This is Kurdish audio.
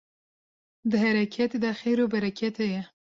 Di hereketê de xêr û bereket heye